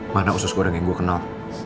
mana usus goreng yang gue kenal